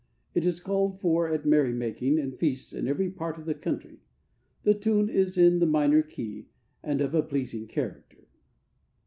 It is called for at merry makings and feasts in every part of the country. The tune is in the minor key, and of a pleasing character.